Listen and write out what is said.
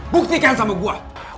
bukti kan sama gue